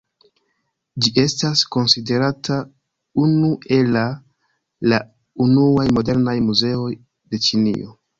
Ĝi estas konsiderata unu ela la unuaj modernaj muzeoj de Ĉinio.